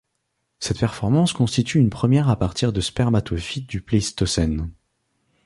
Cette performance constitue une première à partir de Spermatophytes du Pléistocène.